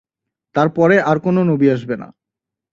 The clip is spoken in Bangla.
তার পরে আর কোনো নবি আসবে না।